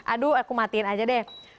aduh aku matiin aja deh